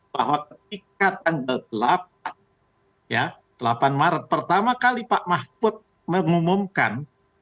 bahwa ketika tanggal delapan maret pertama kali pak mahfud mengumumkan